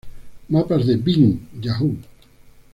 Mapas de Bing, Yahoo!